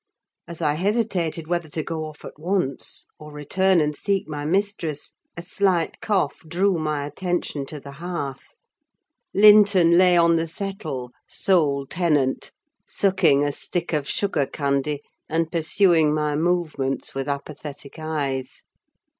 As I hesitated whether to go off at once, or return and seek my mistress, a slight cough drew my attention to the hearth. Linton lay on the settle, sole tenant, sucking a stick of sugar candy, and pursuing my movements with apathetic eyes.